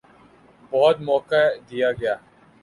بہت موقع دیا گیا۔